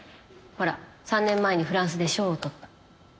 ほら３年前にフランスで賞を取った。